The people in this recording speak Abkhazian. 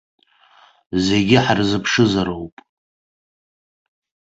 Зегьы ҳарзыԥшызароуп.